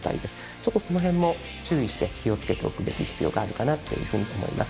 ちょっとその辺も注意して気を付けておくべき必要があるかなっていうふうに思います。